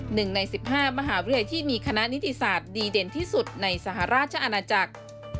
หนึ่งในสิบห้ามหาวิทยาลัยที่มีคณะนิติศาสตร์ดีเด่นที่สุดในสหราชอาณาจักร